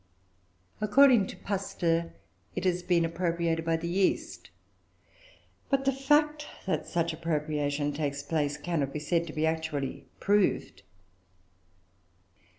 According to Pasteur, it has been appropriated by the yeast, but the fact that such appropriation takes place cannot be said to be actually proved.